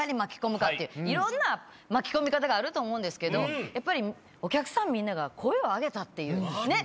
いろんな巻き込み方があると思うんですけどやっぱりお客さんみんなが声を上げたっていうねっ！